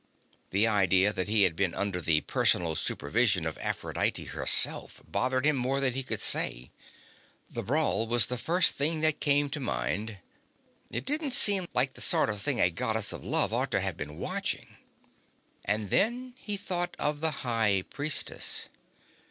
The idea that he had been under the personal supervision of Aphrodite herself bothered him more than he could say. The brawl was the first thing that came to mind. It didn't seem like the sort of thing a Goddess of Love ought to have been watching. And then he thought of the High Priestess.